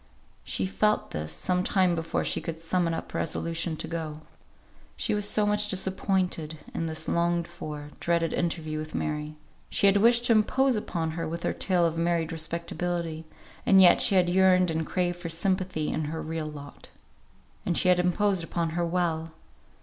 She felt this some time before she could summon up resolution to go. She was so much disappointed in this longed for, dreaded interview with Mary; she had wished to impose upon her with her tale of married respectability, and yet she had yearned and craved for sympathy in her real lot. And she had imposed upon her well.